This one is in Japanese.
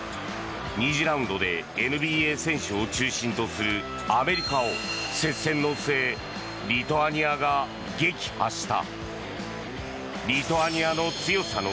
２次ラウンドでＮＢＡ選手を中心とするアメリカを接戦の末リトアニアが撃破した。